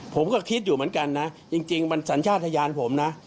ผมก็คิดอยู่เหมือนกันนะจริงมันสัญชาติทะยานผมนะ